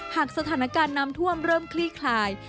หากสถานการณ์น้ำท่วมเริ่มคลี่คลาย